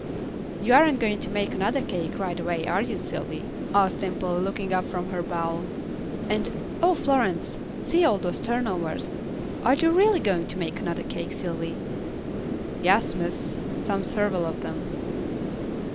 "You aren't going to make another cake right away, are you, Sylvy?" asked Dimple, looking up from her bowl. "And oh, Florence, see all those turnovers. Are you really going to make another cake, Sylvy?" "Yass, miss, some suveral of 'em."